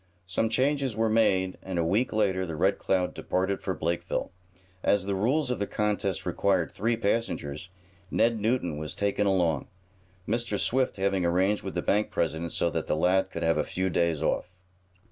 Some changes were made and, a week later the Red Cloud departed for Blakeville. As the rules of the contest required three passengers, Ned Newton was taken along, Mr. Swift having arranged with the bank president so that the lad could have a few days off.